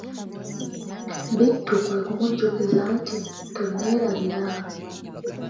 Bittu kwe kumujjukiza nti:"toneerabira"